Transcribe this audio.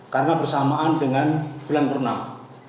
karena bersamaan dengan bulan pernama